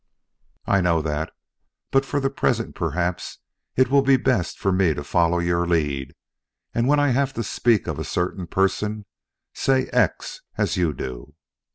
"I know that; but for the present perhaps it will be best for me to follow your lead, and when I have to speak of a certain person, say X as you do.